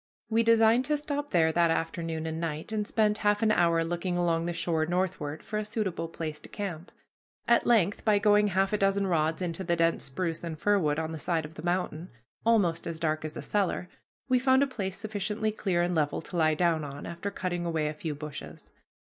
We designed to stop there that afternoon and night, and spent half an hour looking along the shore northward for a suitable place to camp. At length, by going half a dozen rods into the dense spruce and fir wood on the side of the mountain almost as dark as a cellar, we found a place sufficiently clear and level to lie down on, after cutting away a few bushes.